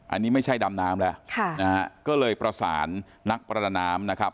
อันนี้ไม่ใช่ดำน้ำแล้วค่ะนะฮะก็เลยประสานนักประดาน้ำนะครับ